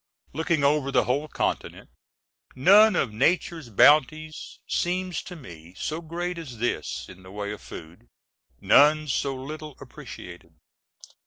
Looking over the whole continent, none of Nature's bounties seems to me so great as this in the way of food, none so little appreciated.